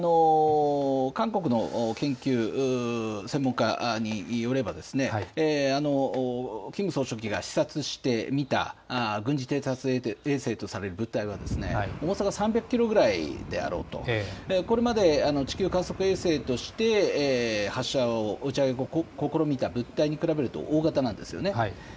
韓国の研究専門家によればキム総書記が視察して見た軍事偵察衛星とされる物体は重さが３００キロぐらいであろうと、これまで地球観測衛星として打ち上げを試みた物体に比べると大型なんです。